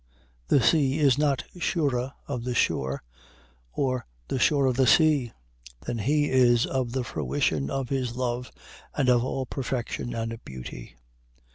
The sea is not surer of the shore, or the shore of the sea, than he is of the fruition of his love, and of all perfection and beauty.